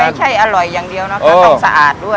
ไม่ใช่อร่อยอย่างเดียวนะคะต้องสะอาดด้วย